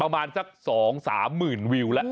ประมาณสัก๒๓หมื่นวิวแล้ว